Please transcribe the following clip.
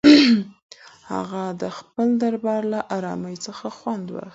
هغه د خپل دربار له ارامۍ څخه خوند اخیست.